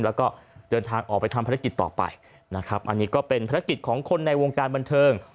แล้วก็เดินทางออกไปทำภารกิจต่อไปนะครับอันนี้ก็เป็นภารกิจของคนในวงการบันเทิง